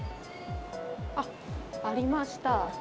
あっ、ありました。